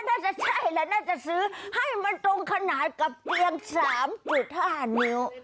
น่าจะใช่แหละน่าจะซื้อให้มันตรงขนาดกับเตียง๓๕นิ้ว